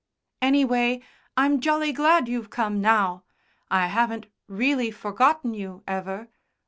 "Anyway, I'm jolly glad you've come now. I haven't really forgotten you, ever.